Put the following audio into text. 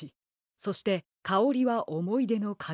そして「かおりはおもいでのかぎなのよ」。